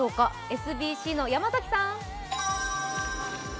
ＳＢＣの山崎さん。